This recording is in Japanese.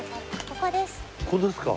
ここですか。